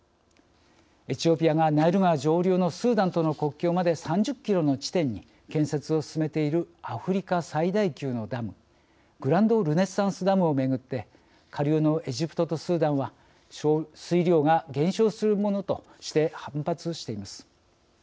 エチオピアがナイル川上流のスーダンとの国境まで３０キロの地点に建設を進めているアフリカ最大級のダムグランド・ルネッサンス・ダムをめぐって下流のエジプトとスーダンは水量が減少するものとして反発しています。